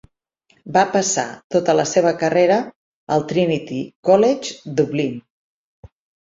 Va passar tota la seva carrera al Trinity College Dublin.